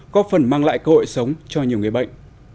có phần mang lại cơ hội sống cho nhiều người bệnh